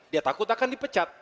dia takut akan dipecat